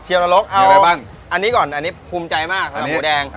เฉียวนรกเอาอันนี้ก่อนอันนี้คุ้มใจมากครับหมูแดง